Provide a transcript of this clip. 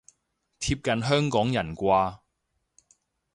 貼近香港人啩